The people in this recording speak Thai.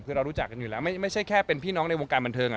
คือเรารู้จักกันอยู่แล้วไม่ใช่แค่เป็นพี่น้องในวงการบันเทิง